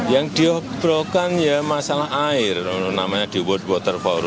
yang diobrokan ya masalah air namanya di world water for